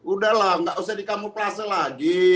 udah lah nggak usah dikamuflase lagi